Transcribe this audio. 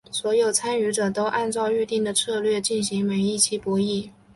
所有参与者都按照预定的策略进行每一期博弈。